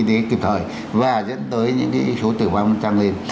căn thiệp y tế kịp thời và dẫn tới những cái số tử vong trăng lên